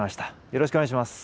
よろしくお願いします。